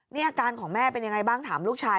นี่อาการของแม่เป็นยังไงบ้างถามลูกชาย